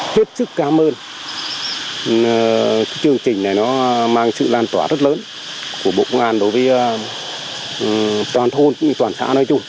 thiết sức cám ơn chương trình này nó mang sự lan tỏa rất lớn của bộ công an đối với toàn thôn toàn xã nói chung